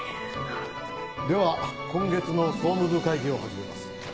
では今月の総務部会議を始めます。